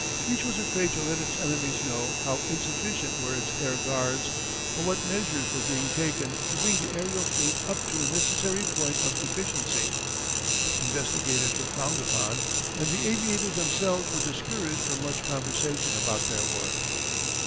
Each was afraid to let its enemies know how insufficient were its air guards, or what measures were being taken to bring the aërial fleet up to the necessary point of efficiency. Investigators were frowned upon and the aviators themselves were discouraged from much conversation about their work.